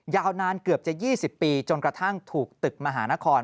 ยาวนานเกือบจะ๒๐ปีจนกระทั่งถูกตึกมหานคร